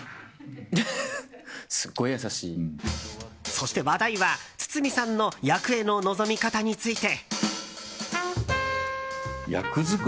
そして、話題は堤さんの役への臨み方について。